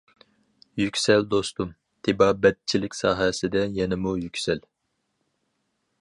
يۈكسەل دوستۇم، تېبابەتچىلىك ساھەسىدە يەنىمۇ يۈكسەل!